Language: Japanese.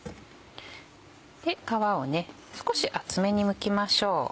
皮を少し厚めにむきましょう。